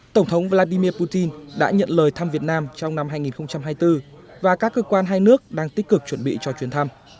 tổng thống vladimir putin đã nhận lời thăm việt nam trong năm hai nghìn hai mươi bốn và các cơ quan hai nước đang tích cực chuẩn bị cho chuyến thăm